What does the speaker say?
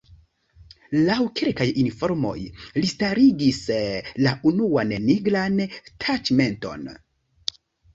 Laŭ kelkaj informoj, li starigis la unuan nigran taĉmenton.